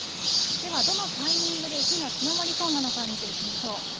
ではどのタイミングで雪が強まりそうなのか、見ていきましょう。